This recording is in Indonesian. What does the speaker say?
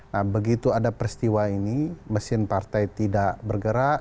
nah begitu ada peristiwa ini mesin partai tidak bergerak